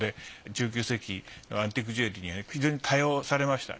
１９世紀のアンティークジュエリーには非常に多用されました。